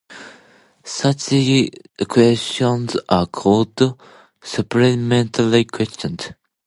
Such questions are called supplementary questions.